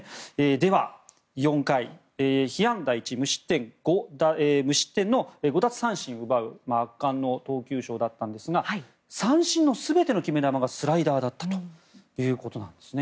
では、４回、被安打１無失点の５奪三振を奪う圧巻の投球ショーだったんですが三振の全ての決め球がスライダーだったということで。